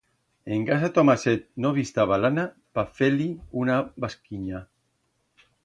En casa Tomaset no bi'staba lana pa fer-li una basquinya.